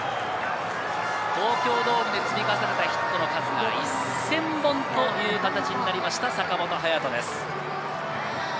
東京ドームで積み重ねたヒットの数が１０００本という形になりました、坂本勇人です。